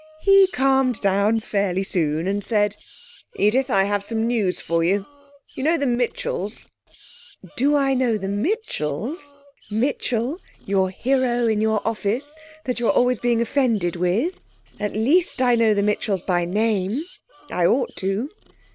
...He calmed down fairly soon and said: 'Edith, I have some news for you. You know the Mitchells?' 'Do I know the Mitchells? Mitchell, your hero in your office, that you're always being offended with at least I know the Mitchells by name. I ought to.'